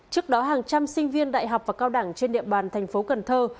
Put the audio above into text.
trước đó hàng trăm sinh viên đại học và cao đẳng trên địa bàn thành phố cần thơ